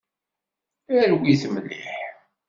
Rwi-t mliḥ.